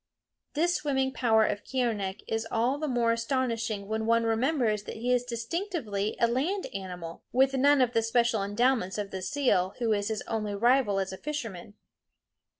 This swimming power of Keeonekh is all the more astonishing when one remembers that he is distinctively a land animal, with none of the special endowments of the seal, who is his only rival as a fisherman.